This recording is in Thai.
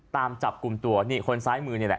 ตามจับกลุ่มตัวนี่คนซ้ายมือนี่แหละ